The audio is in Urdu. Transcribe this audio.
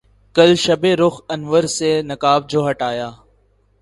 کل شب رخ انور سے نقاب جو ہٹایا